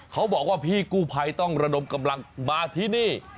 เขาบอกว่าพี่กู้ภัยต้องระดมกำลังมาที่นี่